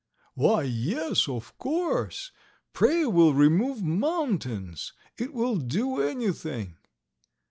"Why, yes, of course. Prayer will remove mountains. It will do anything."